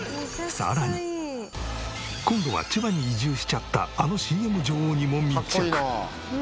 今度は千葉に移住しちゃったあのＣＭ女王にも密着！